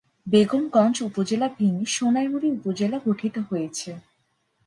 বেগমগঞ্জ উপজেলা ভেঙ্গে সোনাইমুড়ি উপজেলা গঠিত হয়েছে।